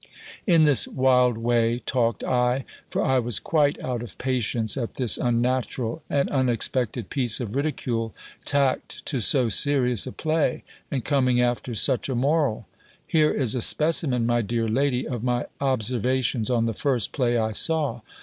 In this wild way talked I; for I was quite out of patience at this unnatural and unexpected piece of ridicule, tacked to so serious a play, and coming after such a moral. Here is a specimen, my dear lady, of my observations on the first play I saw.